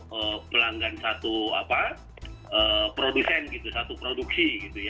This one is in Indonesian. yang pelanggan satu produsen satu produksi